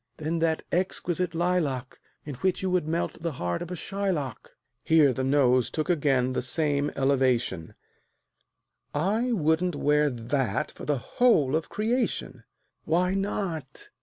"Then that exquisite lilac, In which you would melt the heart of a Shylock;" (Here the nose took again the same elevation) "I wouldn't wear that for the whole of creation." "Why not?